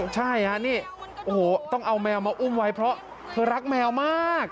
ใช่ฮะนี่โอ้โหต้องเอาแมวมาอุ้มไว้เพราะเธอรักแมวมาก